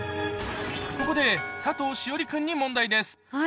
ここで佐藤栞里君に問題です。